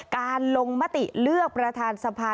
การลงมติเลือกประธานสภา